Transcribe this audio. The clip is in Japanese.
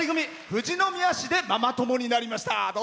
富士宮市でママ友になりました。